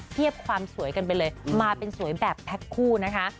ความสวยกันไปเลยมาเป็นสวยแบบแพ็คคู่นะคะ